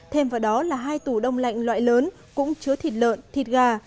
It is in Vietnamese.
thêm vào đó là hai tủ đông lạnh loại lớn cũng chứa thịt lợn thịt gà